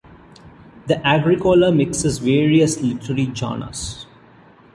The "Agricola" mixes various literary genres.